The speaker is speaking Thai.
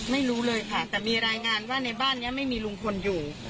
ไม่รู้เลยค่ะแต่มีรายงานว่าในบ้านนี้ไม่มีลุงพลอยู่